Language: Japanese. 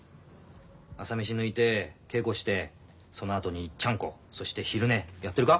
朝飯抜いて稽古してそのあとにちゃんこそして昼寝。やってるか？